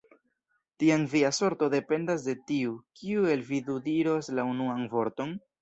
Tiam via sorto dependas de tiu, kiu el vi du diros la unuan vorton?